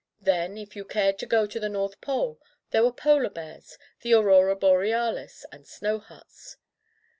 Then, if you cared to go to the North Pole, there were polar bears, the aurora borealis, and snow huts.